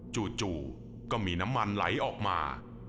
จู่ก็มีน้ำมันไหลออกมา